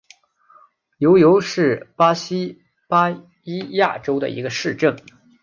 尤尤是巴西巴伊亚州的一个市镇。